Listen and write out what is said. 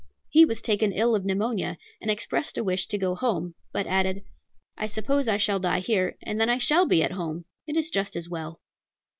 He was taken ill of pneumonia, and expressed a wish to go home, but added, "I suppose I shall die here, and then I shall be at home; it is just as well."